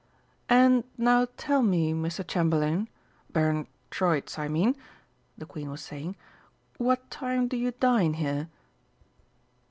"And now tell me, Mr. Chamberlain Baron Troitz, I mean," the Queen was saying. "What time do you dine here?"